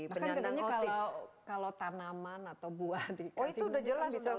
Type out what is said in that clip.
bahkan katanya kalau tanaman atau buah dikasih musik